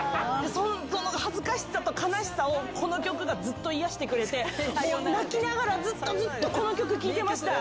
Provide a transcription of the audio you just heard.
その恥ずかしさと悲しさをこの曲がずっと癒やしてくれて泣きながらずっとずっとこの曲聴いてました。